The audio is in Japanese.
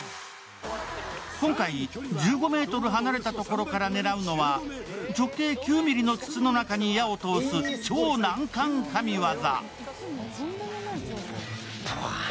今回１５ｍ離れたところから狙うのは直径９ｍｍの筒の中に矢を通す、超難関神業。